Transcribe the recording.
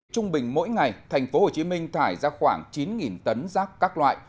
trung bình mỗi ngày tp hcm thải ra khoảng chín tấn rác các loại